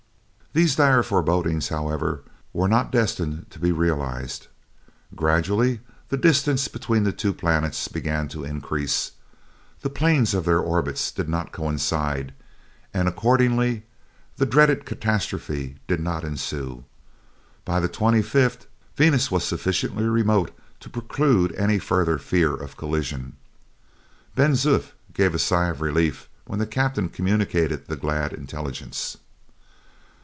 These dire forebodings, however, were not destined to be realized. Gradually the distance between the two planets began to increase; the planes of their orbits did not coincide, and accordingly the dreaded catastrophe did not ensue. By the 25th, Venus was sufficiently remote to preclude any further fear of collision. Ben Zoof gave a sigh of relief when the captain communicated the glad intelligence.